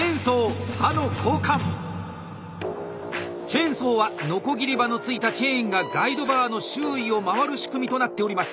チェーンソーはノコギリ刃のついたチェーンがガイドバーの周囲を回る仕組みとなっております。